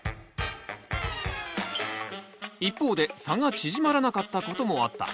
一方で差が縮まらなかったこともあった。